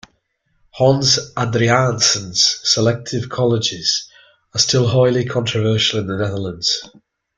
Hans Adriaansens' selective colleges are still highly controversial in the Netherlands.